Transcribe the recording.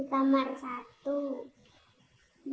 ini kamar satu